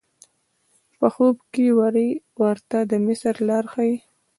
په خوب کې وری ورته د مصر لار ښیي.